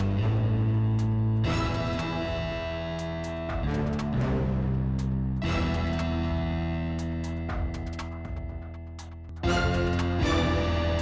makanan utama udah